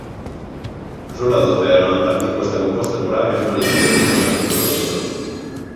A flora do océano Antártico está composta por algas mariñas e outros organismos autótrofos.